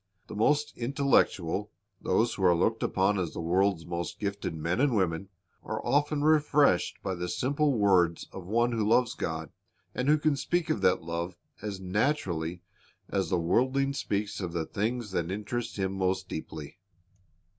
The most intellectual, those who are looked upon as the world's most gifted men and women, are often refreshed by the simple words of one who loves God, and who can speak of that love as naturally as the worldling speaks of the things that interest him most deeply.